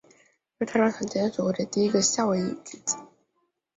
这是他到檀香山学会的第一个夏威夷语句子。